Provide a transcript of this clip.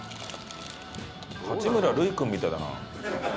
八村塁君みたいだな。